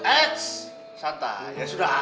eh santai ya sudah